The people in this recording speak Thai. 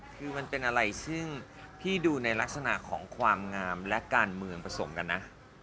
คือมันเป็นอะไรซึ่งพี่ดูในลักษณะของความงามและการเมืองผสมกันนะ